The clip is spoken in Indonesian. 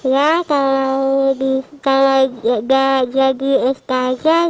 ya kalau sudah jadi ustazah